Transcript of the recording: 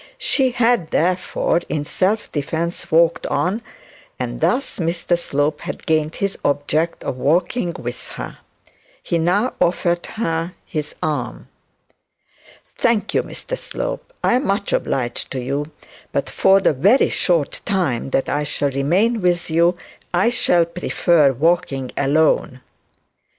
She had therefore in self defence walked on, and Mr Slope had gained his object of walking with her. He now offered her his arm. 'Thank you, Mr Slope, I am much obliged to you; but for the very short time that I shall remain with you I shall prefer walking alone.'